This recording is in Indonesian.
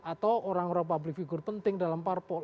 atau orang orang public figure penting dalam parpol